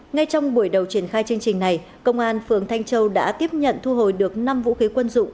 ngay trong buổi đầu triển khai chương trình này công an phường thanh châu đã tiếp nhận thu hồi được năm vũ khí quân dụng